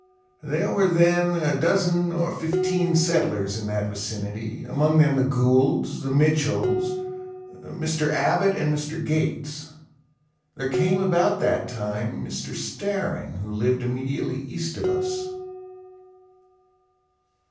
There were then a dozen or fifteen settlers in that vicinity, among them the Goulds, the Mitchells, Mr. Abbott and Mr. Gates. There came about that time, Mr. Staring, who lived immediately east of us.